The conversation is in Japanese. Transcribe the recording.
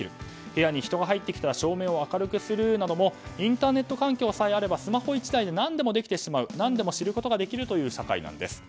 部屋に人が入ってきたら照明を明るくするなどインターネット環境さえあればスマホ１台で何でもできる知ることができる社会なんです。